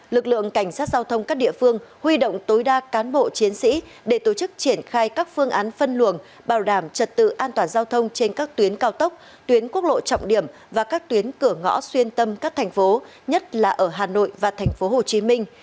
lực lượng cảnh sát giao thông các địa phương huy động tối đa cán bộ chiến sĩ để tổ chức triển khai các phương án phân luồng bảo đảm trật tự an toàn giao thông trên các tuyến cao tốc tuyến quốc lộ trọng điểm và các tuyến cửa ngõ xuyên tâm các thành phố nhất là ở hà nội và thành phố hồ chí minh